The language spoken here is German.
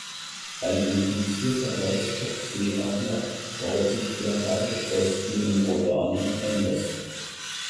Ein infizierter Weißkopfseeadler baut sich derweil aus ihren Organen ein Nest.